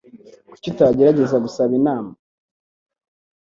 Kuki utagerageza gusaba inama?